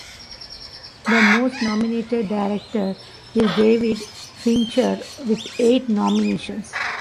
The most nominated director is David Fincher with eight nominations.